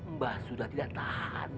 mbah sudah tidak tahan